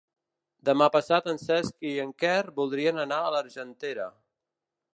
Demà passat en Cesc i en Quer voldrien anar a l'Argentera.